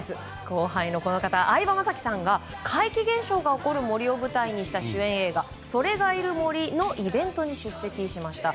後輩のこの方相葉雅紀さんは怪奇現象が起こる森を舞台にした映画「“それ”がいる森」のイベントに出席しました。